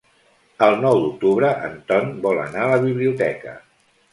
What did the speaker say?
El nou d'octubre en Ton vol anar a la biblioteca.